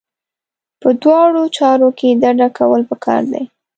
په دواړو چارو کې ډډه کول پکار دي.